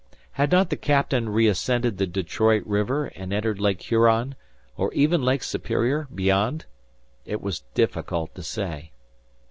Had not the Captain reascended the Detroit River, and entered Lake Huron, or even Lake Superior beyond? It was difficult to say.